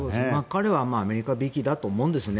彼はアメリカびいきだと思うんですね。